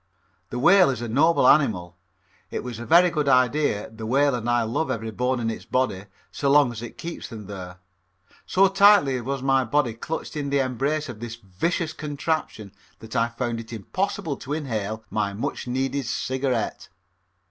The whale is a noble animal, it was a very good idea, the whale, and I love every bone in its body, so long as it keeps them there. So tightly was my body clutched in the embrace of this vicious contraption that I found it impossible to inhale my much needed cigarette.